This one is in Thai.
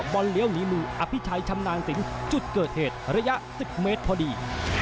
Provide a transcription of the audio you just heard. บอลเลี้ยวหนีมืออภิชัยชำนาญสิงจุดเกิดเหตุระยะ๑๐เมตรพอดี